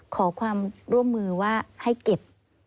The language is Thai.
ขอความร่วมมือว่าให้เก็บ